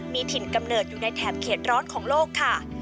มีถิ่นกำเนิดอยู่ในแถบเขตร้อนของโลกค่ะ